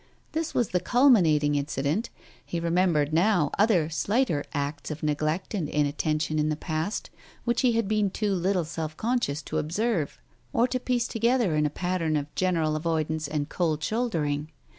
This was the culminat ing incident; he remembered now other slighter acts of neglect and inattention in the past, which he had been too little self conscious to observe or to piece together in a pattern of general avoidance and cold shouldering.